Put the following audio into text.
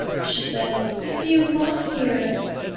she said. "What do you want here?"